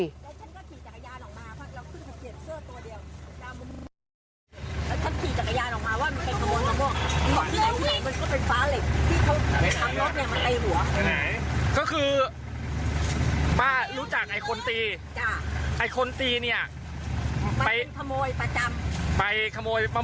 นี่ล่าสุดเมื่อไม่กี่วันเนี่ยป้าเลยปั่นจักรยานมาต่อว่า